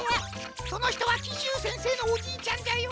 そのひとはキシュウせんせいのおじいちゃんじゃよ。